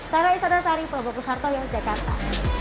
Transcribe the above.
saya laila isradar sari probokus harto yogyakarta